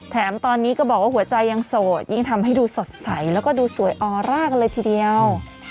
แถมตอนนี้ก็บอกว่าหัวใจยังโสดยิ่งทำให้ดูสดใสแล้วก็ดูสวยออร่ากันเลยทีเดียว